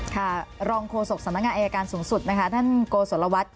ข้าล็องโคศกสันตรยาการสูงสุดนะคะท่านโกศวรวัฒน์